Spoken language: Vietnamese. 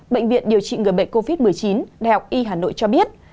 bệnh viện điều trị người bệnh covid một mươi chín đh y hà nội cho biết